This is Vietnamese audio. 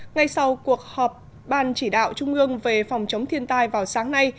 ngay sau cuộc họp ban chỉ đạo trung ương về phòng chống thiên tai vào sáng nay